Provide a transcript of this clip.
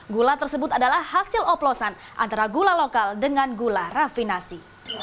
gula tersebut adalah hasil oplosan antara gula lokal dengan gula rafinasi